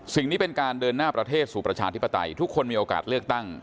นี้เป็นการเดินหน้าประเทศสู่ประชาธิปไตยทุกคนมีโอกาสเลือกตั้ง